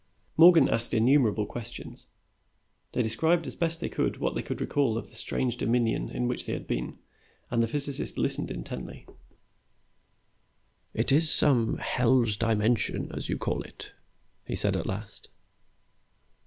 Morgan asked innumerable questions. They described as best they could what they could recall of the strange dominion in which they had been, and the physicist listened intently. "It is some Hell's Dimension, as you call it," he said at last.